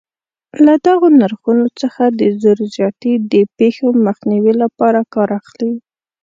له دغو نرخونو څخه د زور زیاتي د پېښو مخنیوي لپاره کار اخلي.